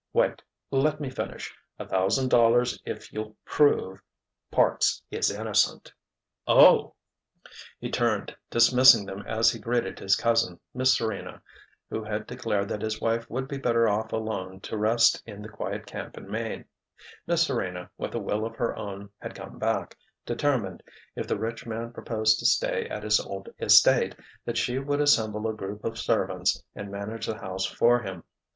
"Wait—let me finish. A thousand dollars if you'll prove—Parks is innocent!" "Oh!" He turned, dismissing them as he greeted his cousin, Miss Serena, who had declared that his wife would be better off alone to rest in the quiet camp in Maine. Miss Serena, with a will of her own, had come back, determined, if the rich man proposed to stay at his old estate, that she would assemble a group of servants and manage the house for him.